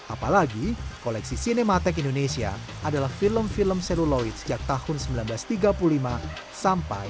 apalagi koleksi cinematheque indonesia adalah film film seluloid sejak tahun seribu sembilan ratus tiga puluh lima sampai tahun seribu sembilan ratus tiga puluh lima